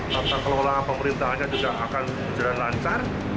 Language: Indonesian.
lata kelola pemerintahnya juga akan jalan lancar